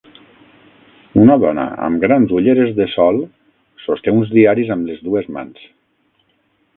Una dona amb grans ulleres de sol sosté uns diaris amb les dues mans.